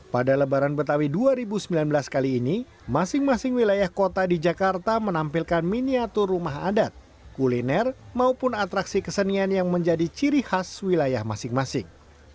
pada lebaran betawi dua ribu sembilan belas kali ini masing masing wilayah kota di jakarta menampilkan miniatur rumah adat kuliner maupun atraksi kesenian yang menjadi ciri khas wilayah masing masing